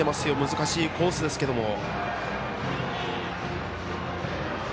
難しいコースですけども。